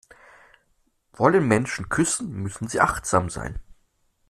Wollen Menschen küssen, müssen sie achtsam sein.